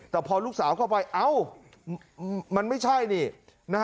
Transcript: แต่พอลูกสาวเข้าไปเอ้ามันไม่ใช่นี่นะฮะ